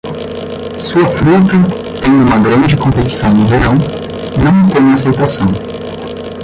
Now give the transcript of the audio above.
Sua fruta, tendo uma grande competição no verão, não tem aceitação.